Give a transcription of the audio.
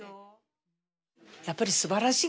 やっぱりすばらしい方だよ。